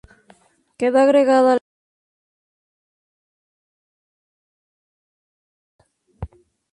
Quedó agregado a la Escuela de Submarinos para práctica y enseñanza de los alumnos.